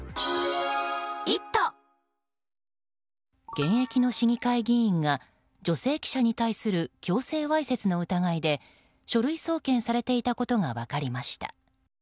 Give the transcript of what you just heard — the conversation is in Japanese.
現役の市議会議員が女性記者に対する強制わいせつの疑いで書類送検されていたことが分かりました。